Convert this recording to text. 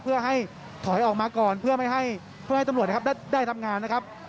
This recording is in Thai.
เพื่อให้ถอยออกมาก่อนเพื่อไม่ให้ตำรวจได้ทำงานนะครับ